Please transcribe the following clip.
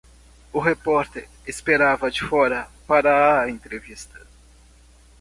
O repórter esperava de fora para a entrevista.